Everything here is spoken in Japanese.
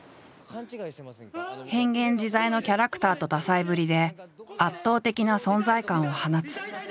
変幻自在のキャラクターと多才ぶりで圧倒的な存在感を放つ。